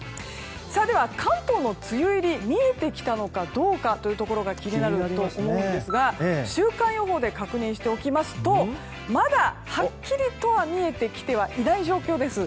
では、関東の梅雨入りが見えてきたのかどうかが気になると思うんですが週間予報で確認しておきますとまだはっきりとは見えてきてはいない状況です。